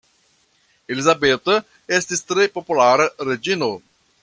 Elizabeta estis tre populara reĝino.